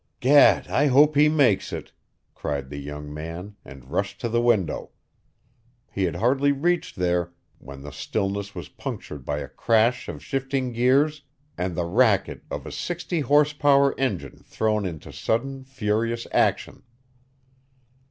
"Gad, I hope he makes it!" cried the young man and rushed to the window. He had hardly reached there when the stillness was punctured by a crash of shifting gears and the racket of a sixty horsepower engine thrown into sudden, furious action.